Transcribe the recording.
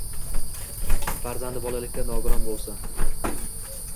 Farzandi bolalikdan nogiron bo‘lsa